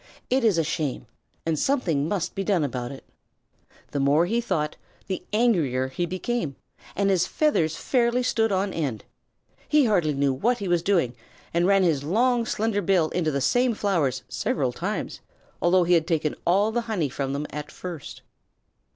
"It is a shame, and something must be done about it." The more he thought, the angrier he became, and his feathers fairly stood on end. He hardly knew what he was doing, and ran his long, slender bill into the same flowers several times, although he had taken all the honey from them at first.